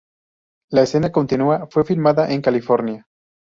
La escena continua fue filmada en California.